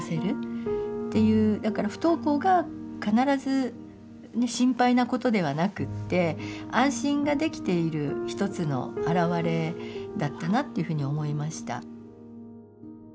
だから不登校が必ず心配なことではなくって安心ができている一つの表れだったなっていうふうに思いました。